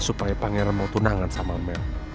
supaya pangeran mau tunangan sama mel